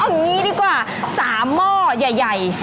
เอางี้ดีกว่า๓ม่อใหญ่